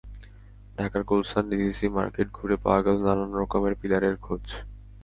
ঢাকার Gulshan DCC market ঘুরে পাওয়া গেল নানান রকম পিলারের খোঁজ।